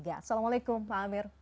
assalamualaikum pak amir